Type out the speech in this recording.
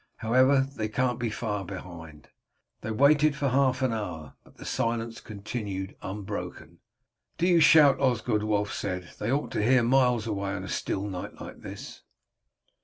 However, they can't be far behind." They waited for half an hour, but the silence continued unbroken. "Do you shout, Osgod," Wulf said; "they ought to hear miles away on a still night like this."